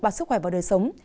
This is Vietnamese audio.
bác sức khỏe và đời sống